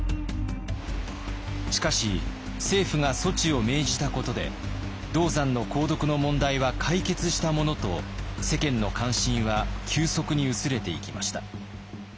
しかし政府が措置を命じたことで銅山の鉱毒の問題は解決したものと世間の関心は急速に薄れていきました。